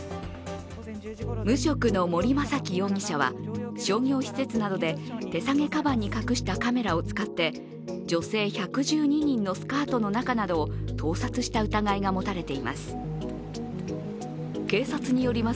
無職の森雅紀容疑者は、商業施設などで手提げカバンに隠したカメラを使って女性１１２人のスカートの中などを盗撮した疑いが持たれています。